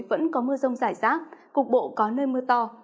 vẫn có mưa rông rải rác cục bộ có nơi mưa to